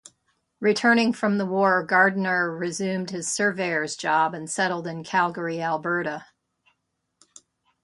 Returning from the war, Gardiner resumed his surveyors job and settled in Calgary, Alberta.